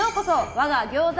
我が餃子